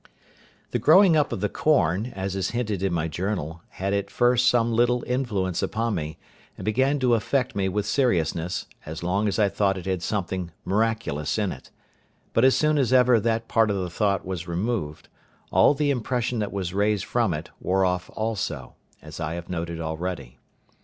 The growing up of the corn, as is hinted in my Journal, had at first some little influence upon me, and began to affect me with seriousness, as long as I thought it had something miraculous in it; but as soon as ever that part of the thought was removed, all the impression that was raised from it wore off also, as I have noted already.